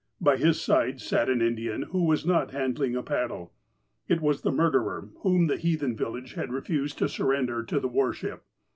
By his side sat an Indian, who was not handling a paddle. It was the murderer, whom the heathen village had refused to surrender to the war ship.